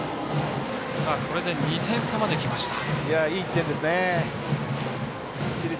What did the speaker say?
これで２点差まできました。